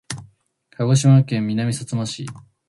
鹿児島県南さつま市